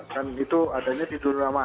kan itu adanya di dunia maya